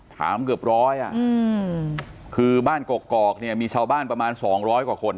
ถามเกือบร้อยอ่ะอืมคือบ้านกรกกรอกเนี่ยมีชาวบ้านประมาณสองร้อยกว่าคน